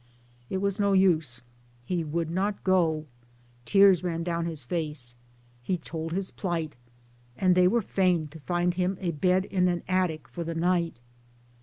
It was no use, he would not go ; tears ran down his face ; he told his plight ; and they were fain to find him a bed in an attic for the night.